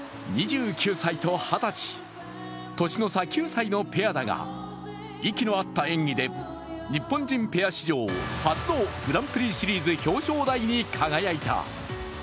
２９歳と２０歳、年の差９歳のペアだが息の合った演技で日本人ペア史上初のグランプリシリーズ表彰台に輝いた。